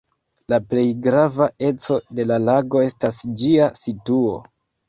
La plej grava eco de la lago estas ĝia situo.